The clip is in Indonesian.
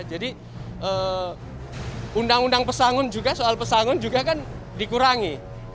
jadi undang undang pesangun juga soal pesangun juga kan dikurangi